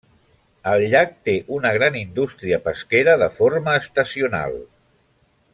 El llac té una gran indústria pesquera de forma estacional.